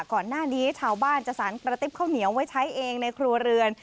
ก่อนหน้านี้ชาวบ้านจะสารกระติ๊บข้าวเหนียวไว้ใช้เองในครัวเรือน